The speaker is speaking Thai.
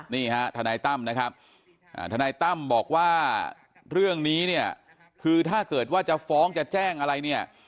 นี่ฮะทนายตั้มนะครับทนายตั้มบอกว่าเรื่องนี้เนี่ยคือถ้าเกิดว่าจะฟ้องจะแจ้งอะไรเนี่ย